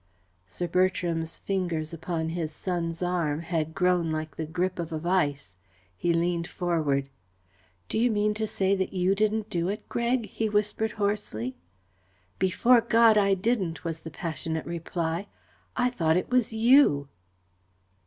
Sir Bertram's fingers upon his son's arm had grown like the grip of a vice. He leaned forward. "Do you mean to say that you didn't do it, Greg?" he whispered hoarsely. "Before God, I didn't!" was the passionate reply. "I thought it was you."